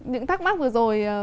những thắc mắc vừa rồi